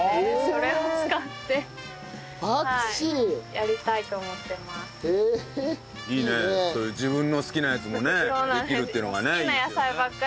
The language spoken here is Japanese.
そういう自分の好きなやつもねできるっていうのがね。